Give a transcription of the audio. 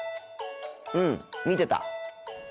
うん見てた。